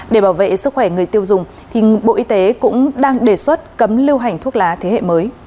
để bảo vệ sức khỏe người tiêu dùng bộ y tế cũng đang đề xuất cấm lưu hành thuốc lá thế hệ mới